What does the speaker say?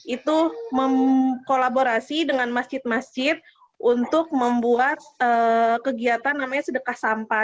itu mengkolaborasi dengan masjid masjid untuk membuat kegiatan namanya sedekah sampah